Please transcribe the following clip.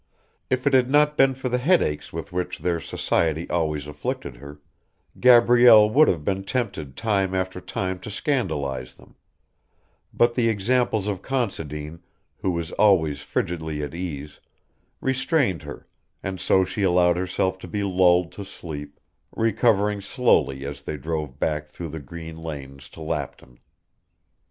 If it had not been for the headaches with which their society always afflicted her, Gabrielle would have been tempted time after time to scandalise them, but the example of Considine, who was always frigidly at ease, restrained her, and so she allowed herself to be lulled to sleep, recovering slowly as they drove back through the green lanes to Lapton.